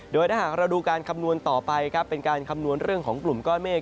โดยถ้าหากเราดูการคำนวณต่อไปครับเป็นการคำนวณเรื่องของกลุ่มก้อนเมฆ